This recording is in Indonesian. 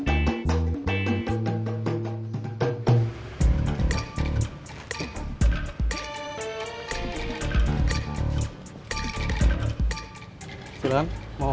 hanya siapa itu